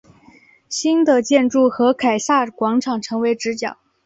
新的建筑和凯撒广场成为直角。